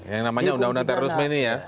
yang namanya undang undang terorisme ini ya